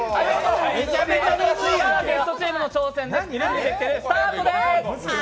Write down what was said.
さあ、ゲストチームの挑戦です。